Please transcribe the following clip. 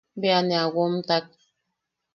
Bea ne a womtak.